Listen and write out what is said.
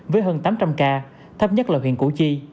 với hơn tám trăm linh ca thấp nhất là huyện củ chi